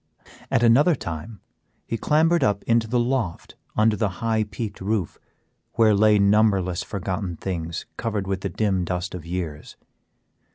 At another time he clambered up into the loft under the high peaked roof, where lay numberless forgotten things covered with the dim dust of years.